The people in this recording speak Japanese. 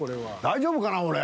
大丈夫かな俺。